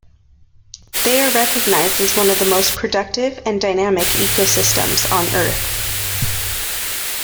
They are recognized as one of the most productive and dynamic ecosystems on Earth.